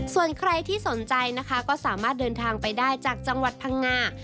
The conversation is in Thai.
ส่วนใครที่สนใจนะคะก็สามารถเดินทางไปได้จากจังหวัดพังงา